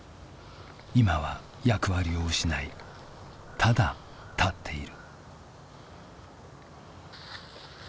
今は役割を失いただ建っている。